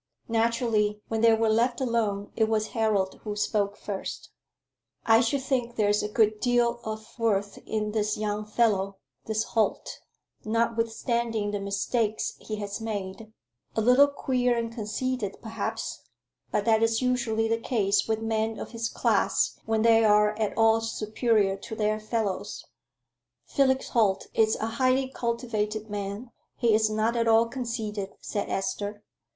Naturally when they were left alone, it was Harold who spoke first. "I should think there's a good deal of worth in this young fellow this Holt, notwithstanding the mistakes he has made. A little queer and conceited, perhaps; but that is usually the case with men of his class when they are at all superior to their fellows." "Felix Holt is a highly cultivated man; he is not at all conceited," said Esther.